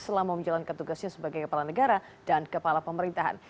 selama menjalankan tugasnya sebagai kepala negara dan kepala pemerintahan